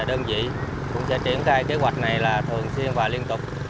đơn vị cũng sẽ triển khai kế hoạch này là thường xuyên và liên tục